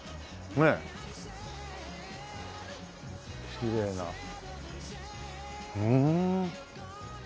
きれいなふん。